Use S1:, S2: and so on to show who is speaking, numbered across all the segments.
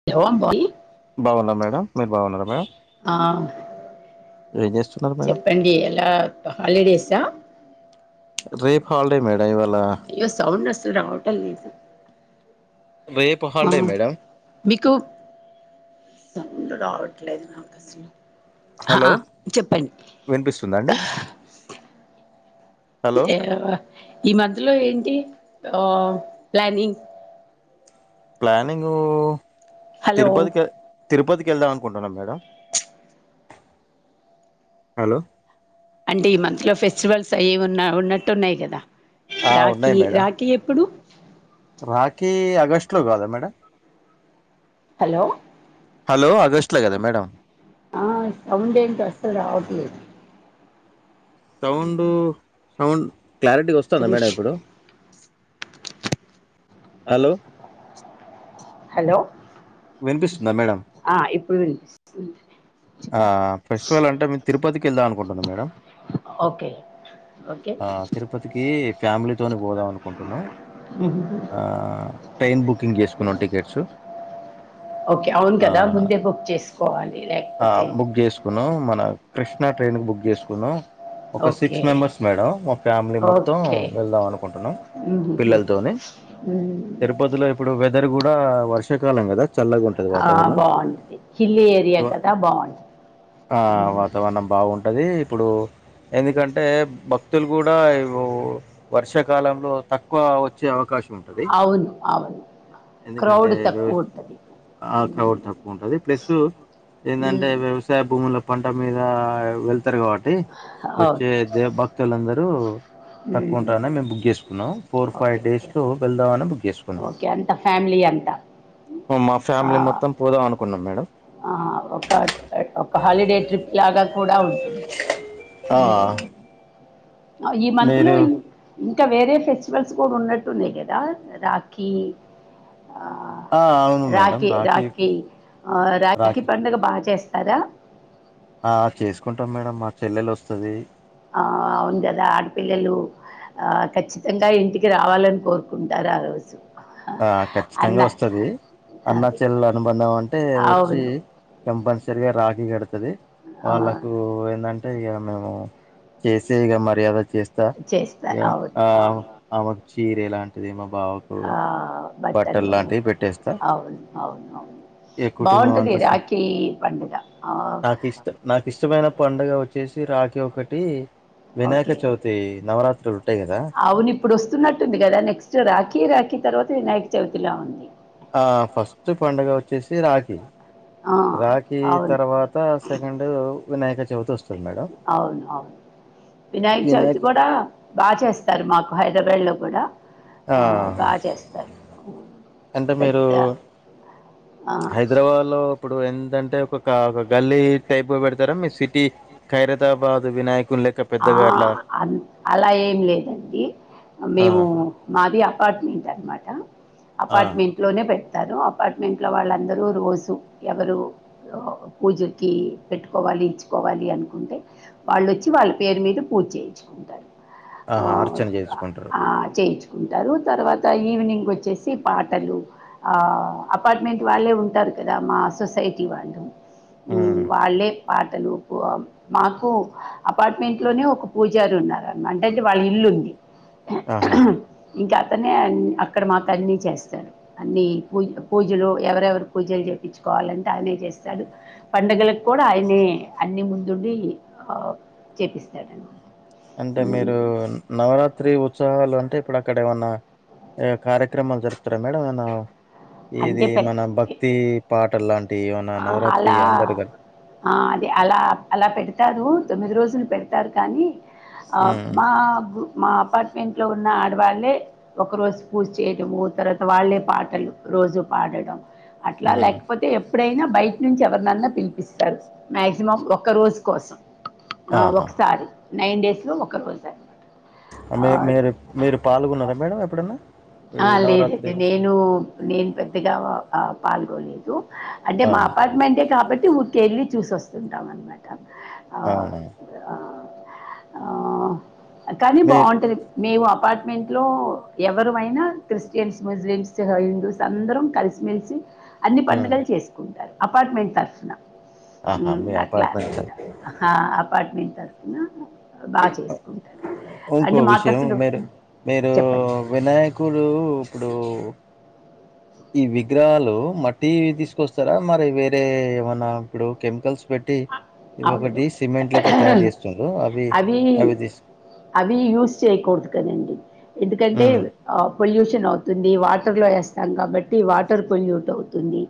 S1: [unintelligible]
S2: బావున్నా మేడం మీరు బావున్నారా మేడం
S1: ఆ
S2: ఏం చేస్తున్నారు మేడం
S1: చెప్పండి ఎలా హాలిడేసా
S2: రేప్ హాలిడే మేడం ఇవాళ
S1: ఏదో సౌండ్ అస్సలు రావటం లేదు
S2: రేపు
S1: ఆ
S2: హల్డే మేడమ్
S1: మీకు సౌండు రావట్లేదు నాకు అసలు
S2: హలో
S1: హా చెప్పండి
S2: వినిపిస్తుందా అండి హలో
S1: ఈ మధ్యలో ఏంటి ఆ ప్లానింగ్
S2: ప్లానింగు
S1: హలో
S2: తిరుపతి కె తిరుపతి కి వెళ్దాం అనుకుంటున్నాం మేడం హలో
S1: అంటే ఈ మంత్లో ఫెస్టివల్స్ అయ్యి ఉన్నా ఉన్నట్టు ఉన్నాయి కదా
S2: ఆ
S1: రాఖీ రాఖీ ఎప్పుడు
S2: రాఖి అగస్ట్ లో కాదా మేడం
S1: హలో
S2: హలో ఆగస్ట్ లో కదా మేడం
S1: ఆ సౌండ్ ఏంటి అసలు రావట్లేదు
S2: సౌండు సౌండ్ క్లారిటీ
S1: ఒక్క
S2: వస్తుందా మేడం
S1: నిమిషం
S2: ఇప్పుడు హలో
S1: హలో
S2: వినిపిస్తుందా మేడం
S1: ఆ ఇప్పుడు వినిపిస్తుంది
S2: ఆ
S1: చెప్పండి
S2: ఫెస్టివల్ అంటే మేము తిరుపతికి వెళ్దాం అనుకుంటున్నాం మేడం
S1: ఓకే ఓకే
S2: ఆ తిరుపతికి ఫ్యామిలీ తోనె పోదాం అనుకుంటున్నాం
S1: మ్ హుహు
S2: ఆ ట్రైన్ బుకింగ్ చేసుకున్నాం టికెట్స్
S1: ఓకే అవును
S2: ఆ
S1: కదా ముందే బుక్ చేసుకోవాలి లేకపోతే
S2: కున్నాం మన కృష్ణ ట్రైన్ కి బుక్ చేసుకున్నాం ఒక
S1: ఓకే
S2: సిక్స్ మెంబర్స్ మేడం మా ఫ్యామిలీ మొత్తం వెళ్దాం అనుకుంటున్నాం
S1: ఉహు హు
S2: పిల్లలతోని
S1: మ్
S2: తిరుపతిలో ఇప్పుడు వెదర్ కూడా వర్షాకాలం కదా చల్లగ ఉం టది
S1: ఆ,
S2: వాతావరణం
S1: బాగుంటుంది హిల్ ఏరియా
S2: వా
S1: కదా బాగుంటుంది
S2: ఆ
S1: మ్మ్.
S2: వాతావరణం బాగుం అది ఇప్పుడు ఎందుకంటే భక్తులు కూడా ఇపు వర్షాకాలంలో తక్కువ వచ్చే అవకాశం ఉంటది
S1: అవును అవును క్రౌడ్
S2: ఎందుకంటే
S1: తక్కువ
S2: వ్యవ
S1: ఉంటది
S2: ఆ క్రౌడ్ తక్కువ ఉంటది ప్లసు ఎందంటే
S1: మ్మ్.
S2: వ్యవసాయ భూముల పంట మీద వెళ్తారు కాబట్టి వచ్చే
S1: అవును
S2: దే భక్తులందరూ తక్కువ
S1: మ్మ్.
S2: ఉంటారనే మేము బుక్ చేసుకున్నాం ఫోర్
S1: ఓకే
S2: ఫైవ్
S1: ఓకే
S2: డేస్లో వెళ్దాం అని బుక్ చేసుకున్నాం
S1: ఓకే అంత ఫ్యామిలీ అంత
S2: మా ఫ్యామిలీ మొత్తం పోదాం అనుకున్నాం మేడం
S1: ఆ ఒక ఒక హాలిడే ట్రిప్ లాగా కూడా ఉంటుంది
S2: ఆ
S1: అ ఈ మంత్లో
S2: మీరు
S1: ఇం ఇంకా వేరే ఫెస్టివల్స్ కూడా ఉన్నట్టున్నాయి కదా రాఖీ ఆ
S2: ఆ అవును మేడం
S1: రాఖీ రాఖీ ఆ రాఖీ పండగ బా చేస్తారా
S2: ఆ చేసుకుంటాం మేడం మా చెల్లెలు వస్తది
S1: ఆ అవును కదా ఆడపిల్లలు ఆ ఖచ్చితంగా ఇంటికి రావాలని కోరుకుంటారు ఆరోజు
S2: ఆ ఖచ్చితంగా వస్తది అన్న
S1: అది
S2: చెల్లెలు అనుబధం అంటే వచ్చి
S1: అవును
S2: కంపల్సరిగా రాకి కడతది
S1: ఆ,
S2: వాళ్ళకు ఏంటం టే ఇగ మేము చేసే ఇగ మర్యాద చేస్తా
S1: చేస్తా
S2: ఇగ
S1: అవును
S2: ఆ
S1: అవును
S2: ఆమెకు చీరె ఎలాంటిదేమో బావ్
S1: ఆ బట్టలు
S2: పెట్టేస్తా
S1: అవును అవు అవు
S2: ఇగ కుటుంబం
S1: బాగుంటది
S2: అంతా స
S1: రాఖీ పండుగ ఆ
S2: నాకు ఇష్ట నాకు ఇష్టమైన పండగ వచ్చేసి రాఖి ఒకటి వినాయక
S1: ఓకే
S2: చవితి నవరాత్రు ఉంటయి కదా
S1: అవును ఇప్పుడు వస్తున్నట్టుంది కదా నెక్స్ట్ రాఖీ రాఖీ తర్వాత వినాయక చవితిలా ఉంది
S2: ఆ ఫస్ట్ పండగ వచ్చేసి రాఖీ
S1: ఆ,
S2: రాఖీ
S1: అవును
S2: తర్వా త సెకండు వినాయక చవితి వస్
S1: అవును అవును వినాయక చవితి
S2: వినాయక్
S1: కూడా బా చేస్తారు మాకు హైదరాబాద్లో కూడా
S2: ఆ
S1: బా చేస్తారు
S2: అంటే మీరు
S1: పెద్ద ఆ,
S2: హైదరాబాద్ లో ఇప్పుడు ఎంటంటే ఒక ఒక గల్లీ టైప్గా పెడతారా మీ సిటీ ఖైరతాబాదు వినాయకుని లెక్క పెద్దగా అట్లా
S1: అం అలా ఏం లేదండి
S2: ఆ
S1: మేము మాది అపార్ట్మెంట్ అనమాట
S2: ఆ
S1: అపార్ట్మెంట్ లోనే పెడతారు అపార్ట్మెంట్లో వాళ్ళందరూ రోజు ఎవరు పూజకి పెట్టుకోవాలి ఇచ్చుకోవాలి అనుకుంటే వాళ్లొచ్చి వాళ్ళు పేరు మీద పూర్ చేయించుకుంటారు
S2: ఆహా అర్చన చేసుకుంటారు
S1: ఉంటారు తర్వాత ఈవినింగ్ వచ్చేసి పాటలు ఆ అపార్ట్మెంట్ వాళ్ళే ఉంటారు కదా మా సొసైటీ వాళ్ళు మ్
S2: ఉమ్
S1: వాళ్ళే పాటలు కు మాకు అ పార్ట్మెంట్ లోనే ఒక పూజారి ఉన్నారున్నమ అంటంటే వాళ్ళ ఇల్లుంది
S2: ఆహా
S1: ఇంక అతనే అన్ అక్కడ మాకు అన్నీ చేస్తా అన్ని పూ పూజలు ఎవరెవరు పూజలు చేపైచుకోవాలంటే ఆయనే చేస్తాడు పండగలకు కూడ ఆయనే అన్ని ముందుండి ఆ చేపిస్తాడ [unintelligible]
S2: అంటే మీరు నవరాత్రి ఉత్సవాలు అంటే ఇప్పుడు అక్కడ ఏమన్న [unintelligible] కార్యక్రమాలు జరుపుతారా మేడం ఏన ఇది
S1: అంటే పె-
S2: మన భక్తి పాటలులాంటి ఏవన్న
S1: ఆ,
S2: నవరాత్రి
S1: అలా
S2: అందరు
S1: ఆ అది అల అలా పెడతారు తొమ్మిది రోజులు పెడతారు కానీ ఆ
S2: ఉమ్
S1: మా మా అపార్ట్మెంట్లో ఉన్న ఆడవాళ్ళే ఒకరోజు పూజ చేయటము తర్వాత వాళ్ళే పాటలు రోజు పాడడం అట్ల
S2: ఉమ్
S1: లేకపోతే ఎ ఎప్పుడైన బయట నుంచి ఎవరినన్నా పిలిపిస్తారు మాక్సిమం ఒక్క రోజు కోసం ఆ
S2: ఆహా
S1: ఒకసారి నైన్ డేస్ లో ఒక రోజు అనమాట
S2: [unintelligible] మీరు మీరు పాల్గొన్నార మేడం ఎప్పుడన్న
S1: ఆ లేదండి నేను నేను పెద్దగ ఆ పాల్గొనాలేదు అంటే
S2: ఆ
S1: మా అపార్ట్మెంటే కాబట్టి ఊరికే ఏళ్ళి చూసి వస్తుంటాం అనమాట ఆ
S2: అవునా
S1: ఆ కానీ
S2: మీరు
S1: బాగుంటది మేము అపార్ట్మెంట్ లో ఎవరు మై నా క్రిస్టియన్స్ ముస్లిమ్స్ హిందూస్ అందరం కలిసిమెలిసి అన్ని
S2: ఆ
S1: పండుగలు చేసు కుంటారు అపార్ట్మెంట్ తరుపున
S2: ఆహా
S1: మ్
S2: మీ
S1: అట్ల
S2: అపార్ట్మెంట్
S1: అనమాట అ హా అపార్ట్మెంట్ తరుపున బా చే [unintelligible]
S2: ఇంకో విషయం మీరు మీరు
S1: చెప్పండి
S2: వినాయకుడు ఇప్పుడు ఈ విగ్రహాలు మట్టివి తీసుకొస్తారా మరి వేరే ఏమన్నా ఇప్పుడు కెమికల్స్ పెట్టి ఇ
S1: అవును
S2: ఒకటి సిమెంట్ లెక్క తయారు చేస్తుండు అవి అవి తీ
S1: అవి యూజ్ చేయకూడదు కదండి ఎందుకంటే
S2: ఉమ్
S1: పొల్యూషన్ అవుతుంది వాటర్లో వేస్తాం కాబట్టి వాటర్ పొల్యూట్ అవుతుంది.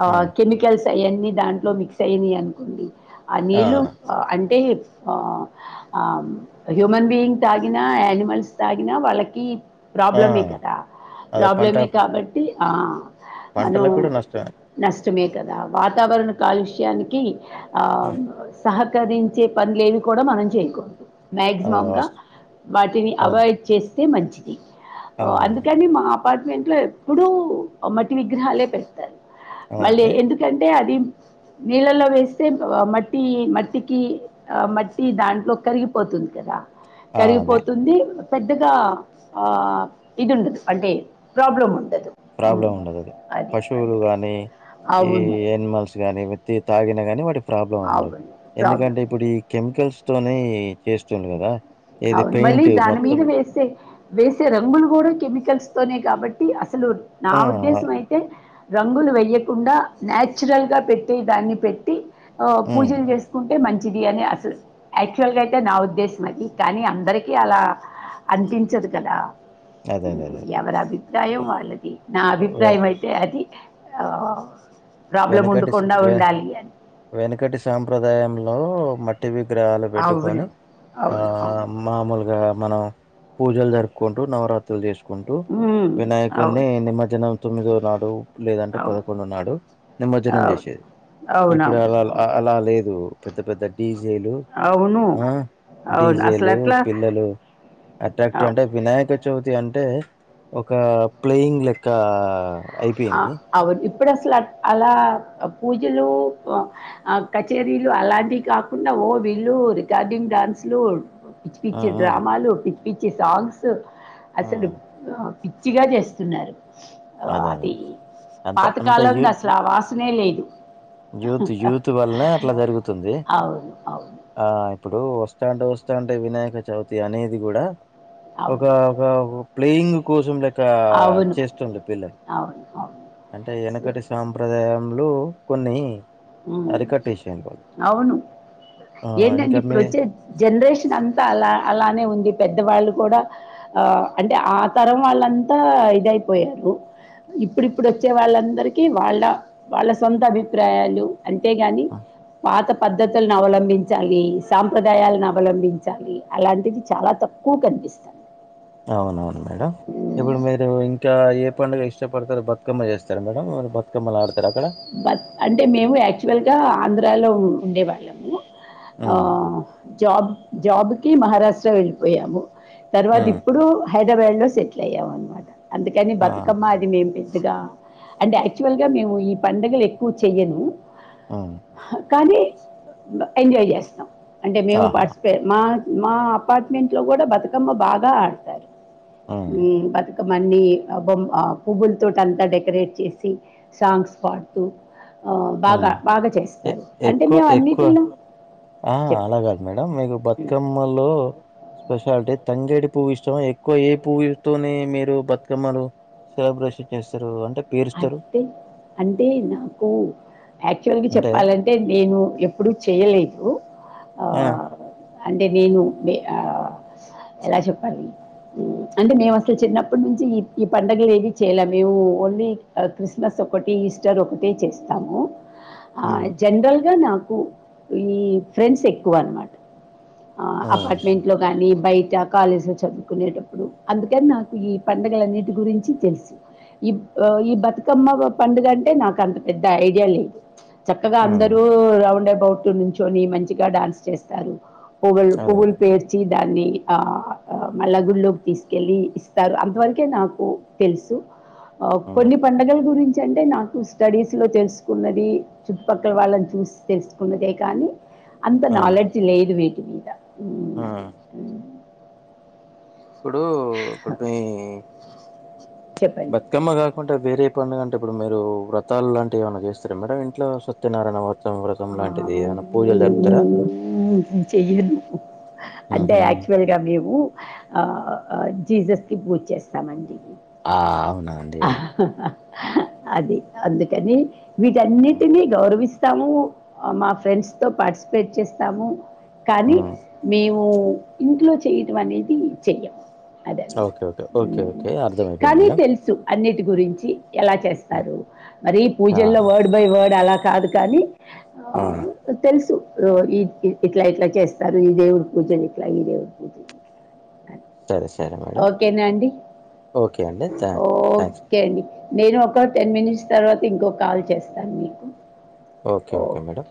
S1: ఆ
S2: ఉమ్
S1: కెమికల్స్ అయన్నీ దాంట్లో మిక్స్ అయనాయి అనుకోండి ఆ నీళ్ళు అంటే ఆ హ్యూమన్ బీయింగ్ తాగిన యానిమల్స్ తాగిన వాళ్ళకి
S2: ఆ
S1: ప్రాబ్లమే కదా
S2: అదే పంట
S1: ప్రాబ్లమే కాబట్టి ఆ
S2: పంటలకు కూడా నష్టమే
S1: [unintelligible] నష్టమే కదా వాతావరణ కాలుష్యానికి సహకరి [unintelligible] వచ్చే పనులేవి కూడ మనం చేయకూడదు
S2: ఆ!
S1: మక్సిమం గా
S2: వాస్తవం.
S1: వాటిని
S2: అవును
S1: అవాయిడ్ చే అదే మంచిది
S2: అవునవును
S1: అందుకని మా. అపార్ట్మెంట్ లో ఎప్పుడు మట్టి విగ్రహాలే పెడతారు మళ్ళీ ఎం
S2: అదే
S1: ఎందుకంటే అది నీళ్ళలో వేస్ మట్టి మట్టికి మట్టి దాంట్లో కరిగిపోతుంది కదా
S2: ఆ! అదే
S1: కరిగిపోతుంది పెద్దగా ఆ ఇది ఉండదు అంటే ప్రాబ్లం ఉండదు ఉమ్,
S2: ప్రాబ్లం ఉండదు అది పశువులు గాని ఈ
S1: అవును.
S2: యానిమల్స్ గానీ విది తాగిన కానీ వాటికి ప్రాబ్లం ఉండదు
S1: అవును.
S2: ఎందుకంటే
S1: ప్రాబ్లమ్.
S2: ఇప్పుడు ఈ కెమికల్స్ తోనే చేస్తుండు కదా ఏది
S1: అవును మళ్ళీ
S2: పెయింట్
S1: దాని
S2: మొత్తం
S1: మీద వేసే వేసే రంగులు కూడ కెమికల్స్ తోనే కాబట్టి అసలు నా
S2: ఆ
S1: ఉద్దేశం అయి రంగులు వేయకుండ న్యాచురల్గా పెట్టే దాన్ని పెట్టి
S2: ఉమ్
S1: పూజలు చేసుకుంటే మంచిది అని ఆశిస్ యాక్చువల్ గా అయితే నా ఉద్దేశం అది కానీ అందరికిీ అలా అందించదు కదా
S2: అదే అదే అదే
S1: ఎవరి అభిప్రాయం వాళ్ళది నా
S2: వె
S1: అభిప్రాయం అయితే అయితే అది ప్రాబ్లం ఉండకుండా ఉండాలి అని
S2: వెనుకటి సాంప్రదాయంలో మట్టి విగ్రహాలు పెట్టుకొని
S1: అవును.
S2: ఆ
S1: అవును. అవును.
S2: మామూలుగా మనం పూజలు జరుపుకుంటూ నవరాత్రులు చేసుకు కుంటూ
S1: ఉమ్, అవును
S2: వినాయకుని నిమజ్జనం తొమ్మిదో నాడు లేదంటే
S1: అవును
S2: పదకొండో నాడు నిమజ్జనం
S1: అవును
S2: చేసేది ఇప్పుడు
S1: అవునవును
S2: అలా
S1: అవును
S2: అలా లేదు పెద్ద పెద్ద డీజేలు
S1: అవును
S2: ఆ
S1: అవును అసలు
S2: డీజేలు
S1: అట్లా
S2: పిల్లలు అట్రాక్టి
S1: అవ్-
S2: అంటే వినాయక చవితి అంటే ఒక ప్లేయింగ్ లెక్క
S1: ఆ
S2: అయిపోయింది
S1: అవును ఇప్పుడు అసలు అలా పూజలు ఆ కచేరీలు అలాంటివి కాకుండా ఓ వీళ్ళు రికార్డింగ్ డాన్స్ లు పిచ్చి
S2: ఆ
S1: పిచ్చి
S2: ఆ
S1: డ్రామాలు పిచ్చి పిచ్చి సాంగ్స్
S2: ఆ
S1: అసలు పిచ్చిగా చేస్తున్నారు
S2: అదే అదే
S1: అది
S2: అంత అంత
S1: పాతకాలం
S2: యూ
S1: దసలు వాస నె లేదు
S2: యూత్ యూత్ వల్ల అట్లా జరుగుతుంది
S1: అవును అవును
S2: ఆ ఇప్పుడు వస్తాంటే వస్తాంటే వినాయక చవితి అనేది కూడా ఒక
S1: అవును
S2: ఒక ప్లేయింగ్ కోసం లేక
S1: అవును
S2: చేస్తుండు పిల్లలు
S1: అవును అవును
S2: అంటే
S1: స-
S2: వెనకటి సాంప్రదాయంలో కొన్ని అరికట్టేసారు వాళ్ళు
S1: అవును
S2: ఆ
S1: ఏంటండి
S2: ఇంకా
S1: ఇప్పుడు
S2: మీ
S1: వచ్చే జనరేషన్ అంతా అలా అలానే ఉంది పెద్దవాళ్ళు కూడా అంటే ఆ తరం వాళ్ళంతా ఇదయిపోయారు ఇప్పుడిప్పుడు వచ్చే వాళ్ళందరికిీ వాళ్ళ వాళ్ళ సొంత అభిప్రాయాలు అంతేగాని
S2: ఆ!
S1: పాత పద్ధతులను అవలంబించాలి సాంప్రదాయాలను అవలంబించాలి అలాంటివి చాలా తక్కువ కనిపిస్తంది
S2: అవునవును మేడం ఇప్పుడు మీరు ఇంకా ఏ పండుగ ఇష్టపడతారు బతుకమ్మ చేస్తారు మేడంరు బతుకమ్మలు ఆడుతార అక్కడ
S1: బత్ అంటే మేము యాక్చువల్గా ఆంధ్రాలో ఉండేవాళ్ళము
S2: హ్మ్.
S1: జాబ్ జాబ్ కి మహారాష్ట్ర వెళ్ళిపోయాము తర్వాత
S2: హ్మ్.
S1: ఇప్పుడు హైదరాబాద్ లో సెటిల్ అయ్యామ అనమాట అందుకని
S2: ఆ!
S1: బతుకమ్మ మే పెద్దగా అంటే యాక్చువల్ గా మేము ఈ పండుగలు ఎక్కువ చెయ్యను
S2: హ్మ్.
S1: కానీ ఎంజాయ్ చేస్తాం అంటే మేము
S2: ఆహా!
S1: పార్టిస్ మా మా అపార్ట్మెంట్ లో కూడా బతుకమ్మ బాగా ఆడతారు
S2: హ్మ్.
S1: బతు ఒక మన్ని పువ్వుల తోటి అంతా డెకరేట్ చేసి సాంగ్స్ పాడు ఆ బాగా
S2: హ్మ్.
S1: బాగా
S2: ఎ
S1: చేస్తారు అంటే
S2: ఎక్కువ
S1: మేము
S2: ఎక్కువ
S1: అన్నిటిని
S2: ఆ అలా కాదు మేడం మీకు బతుకమ్మలో స్పెషాలిటీ తంగేడి పువ్వు ఇష్టం ఎక్కువ ఏ పువ్వు ఇస్తనే మీరు బతుకమ్మలు సెలబ్రేషన్ చేస్తారు అంటే పేరుస్తారు?
S1: అంటే అంటే నాకు యాక్చువల్గా
S2: అంటే
S1: చెప్పాలంటే ంట నేను ఎప్పుడుూ చేయలేదు
S2: ఆ
S1: అంటే వేను ఆ ఎలా చెప్పారు అంటే మేము అసలు చిన్నప్పటి నుంచి ఈ ఈ పండగలు ఏది చేయలే మేము ఓన్లీ క్రిస్మస్ ఒకటి ఈస్టర్ ఒకటి చేస్తాము
S2: ఆ
S1: జెన్రల్గా నాకు ఈ ఫ్రెండ్స్ ఎక్కువ అన్మాట అ
S2: హ్మ్.
S1: అప్పట్ లో కానీ బయట కాలేజీలో చదువుకునేటప్పుడు అందుకని నాకు ఈ పండుగల అన్నిటి గురించి తెలుసు ఈ ఈ బతుకమ్మ పండుగ అంటే నాకు అంత పెద్ద ఐడియా లేదు చక్కగా
S2: హ్మ్.
S1: అందరుూ రౌండ్ అబౌట్ నుంచొని మంచిగ డాన్స్ చేస్తారు పుగల్
S2: అదే.
S1: పువుల్
S2: అదే.
S1: పేర్ వచ్చి దాన్ని ఆ మల్ల గుడిలోకి తీసుకెళ్ళి ఇస్తారు అంతవరుకే నాకు తెలుసు
S2: హ్మ్.
S1: కొన్ని పండగల గురించి అంటే నాకు స్టడీస్ లో తెలుసుకున్నది చుట్టుపక్కల వాళ్ళని చూసి తెసుకున్నదే కానీ అంత
S2: ఆ!
S1: నాలెడ్జీ లేదు వీటి మీద
S2: ఆ
S1: అది ఉమ్,
S2: ఇప్పుడు ఇప్పుడు పోయి
S1: చెప్పండి
S2: చక్కమ్మ కాకుంటే వేరే పండగ అంటే ఇప్పుడు మీరు వ్రతాలు లాంటి ఏమన్న చేస్తరా మేడం ఇంట్లో సత్యనారాయణ వ్రతం వ్రతం
S1: ఆ
S2: లాంటిది ఏమైనా పూజలు జరుపుతారా
S1: నేను చేయ ను అంటే
S2: ఉహుహు
S1: యాక్చుల్ ఇక మేము ఆ జీసస్ కి పూజ చేస్తామండి
S2: ఆ అవునండి
S1: అది అందుకని వీటన్నిటినీ గౌరవిస్తాము మా ఫ్రెండ్స్ తో పార్టిసిపేట్ చేస్తాము కానీ
S2: ఉమ్
S1: మేము ముఇంట్లో చేయడం అనేది చెయ్యం
S2: ఓకే ఓకే ఓకే ఓకే అర్ధమ అయిపోయింది
S1: కానీ
S2: మేడం
S1: తెలుసు అన్నిటి గురించి ఎలా
S2: హ్మ్.
S1: చేస్తారు మరి
S2: ఆ
S1: పూజల్లో వర్డ్ బై వర్డ్ అలా కాదు కానీ ఆ తెల్సు ఈ ఇట్ల ఇట్ల చేస్తారు ఈ దేవుడి పూజలు ఇట్లా ఈ దేవుడి పూజ
S2: తర్ సరే మ
S1: ఓకే నండి
S2: థ్యా థ్యాంక్స్
S1: ఓకె అండి నేను ఒక టెన్ మినిట్స్ తర్వాత ఇంకో కాల్ చేస్తాను మీకు
S2: ఓకె ఓకే మేడం